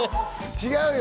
違うよ！